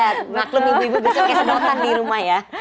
ya maklum ibu ibu bisa kesedotan di rumah ya